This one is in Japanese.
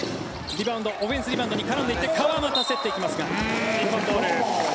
オフェンスリバウンドに絡んでいって川真田、競っていきますが日本ボール。